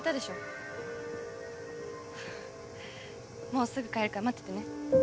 もうすぐ帰るから待っててね。